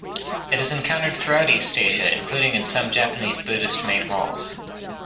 It is encountered throughout East Asia, including in some Japanese Buddhist Main Halls.